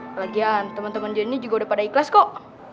kelagian temen temen joni juga udah pada ikhlas kok